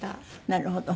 なるほど。